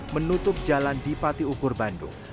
menutup jalan di patiukur bandung